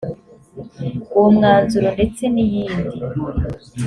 uwo mwanzuro ndetse n iyindi